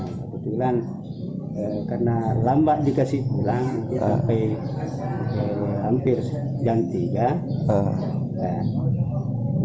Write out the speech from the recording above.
kebetulan karena lambat dikasih pulang sampai hampir jam tiga